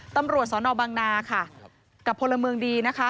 ตำรวจสนบางนาค่ะกับพมดนค่ะ